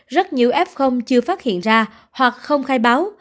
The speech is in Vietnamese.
rất nhiều f chưa phát hiện ra hoặc không khai báo